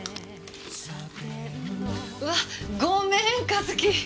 うわっごめん和輝。